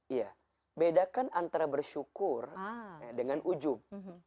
iya bedakan antara bersyukur dengan ujub